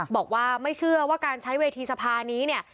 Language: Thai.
บอกว่าไม่เชื่อว่าการใช้เวทีสภานี้เนี่ย